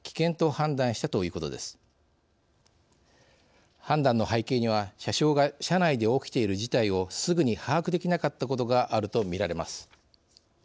判断の背景には車掌が車内で起きている事態をすぐに把握できなかったことがあるとみられます。